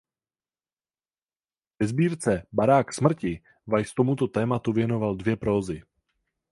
Ve sbírce "Barák smrti" Weiss tomuto tématu věnoval dvě prózy.